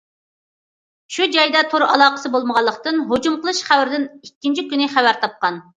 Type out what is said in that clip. شۇ جايدا تور ئالاقىسى بولمىغانلىقتىن، ھۇجۇم قىلىش خەۋىرىدىن ئىككىنچى كۈنى خەۋەر تاپقان.